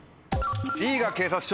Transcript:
Ｂが警察署。